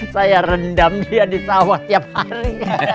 saya rendam dia di sawah tiap hari